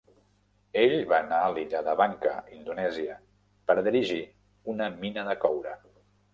Ell va anar a l'illa de Banka, Indonèsia, per a dirigir una mina de coure.